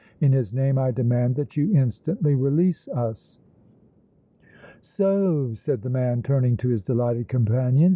In his name I demand that you instantly release us!" "So!" said the man, turning to his delighted companions.